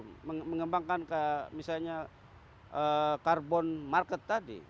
mengembangkan misalnya karbon market tadi